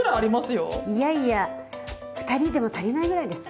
いやいや２人でも足りないぐらいです。